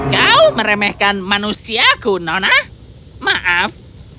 kau meremehkan manusiaku nona maaf